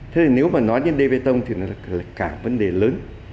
thế thì nếu mà nói đến đê bê tông thì là cả vấn đề lớn